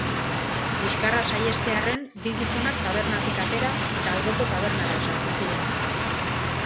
Liskarra saihestearren, bi gizonak tabernatik atera eta alboko tabernara sartu ziren.